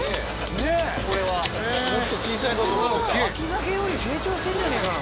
秋鮭より成長してんじゃねえかな。